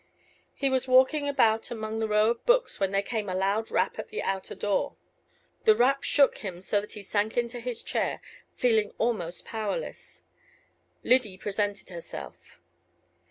He was walking about among the rows of books when there came a loud rap at the outer door. The rap shook him so that he sank into his chair, feeling almost powerless. Lyddy presented herself.